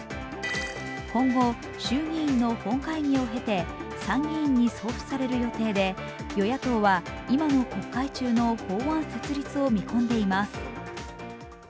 今後、衆議院の本会議を経て参議院に送付される予定で与野党は今の国会中の法案設立を見込んでいます。